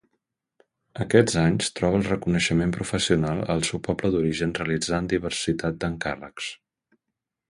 Aquests anys troba el reconeixement professional al seu poble d'origen realitzant diversitat d'encàrrecs.